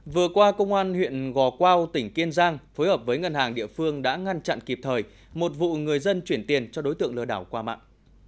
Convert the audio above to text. vừa qua công an huyện gò quao tỉnh kiên giang phối hợp với ngân hàng địa phương đã ngăn chặn kịp thời một vụ người dân chuyển tiền cho đối tượng lừa đảo qua mạng